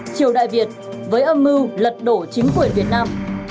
triều đại việt với âm mưu lật đổ chính quyền việt nam